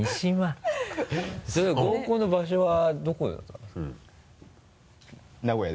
合コンの場所はどこでやったんですか？